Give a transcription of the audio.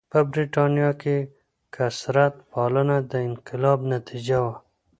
په برېټانیا کې کثرت پالنه د انقلاب نتیجه وه.